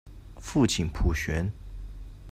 父亲浦璇。